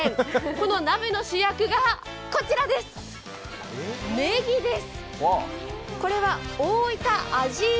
この鍋の主役がこちらです。